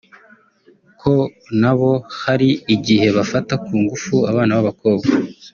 ko nabo hari igihe bafata ku ngufu abana b’abakobwa